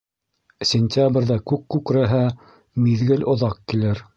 Сентябрҙә күк күкрәһә, миҙгел оҙаҡ килер.